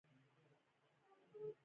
له را ښکته کېدو سره سم مو غځونې وکړې.